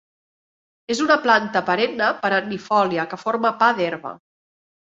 És una planta perenne perennifòlia que forma pa d'herba.